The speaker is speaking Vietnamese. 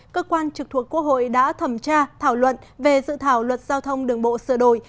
cơ quan trực thuộc quốc hội đã thẩm tra thảo luận về dự thảo luật giao thông đường bộ sửa đổi